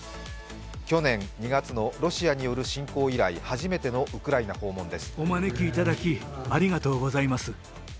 去年２月のロシアによる侵攻以来、初めてのウクライナ訪問です。